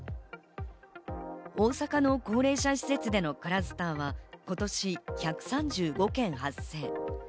大阪の高齢者施設でのクラスターは今年、１３５件発生。